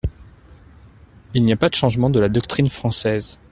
Il n’y a pas de changement de la doctrine française.